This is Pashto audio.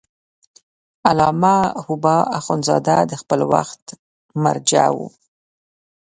علامه حبو اخند زاده د خپل وخت مرجع و.